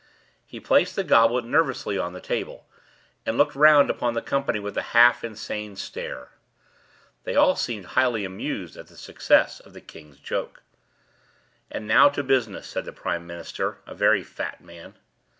He placed the goblet nervously on the table, and looked round upon the company with a half insane stare. They all seemed highly amused at the success of the king's 'joke.' "And now to business," said the prime minister, a very fat man.